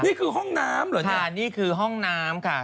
นี่คือห้องน้ำเหรอเนี่ยนี่คือห้องน้ำค่ะ